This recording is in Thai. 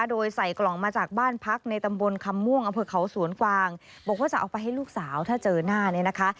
โดยใส่กล่องมาจากบ้านพักในตำบลคำม่วงอำเภอเขาสวนกวางบอกว่าจะเอาไปให้ลูกสาวถ้าเจอหน้าเนี่ยนะคะ